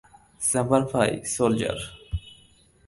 স্যাম্পার fi, soldier.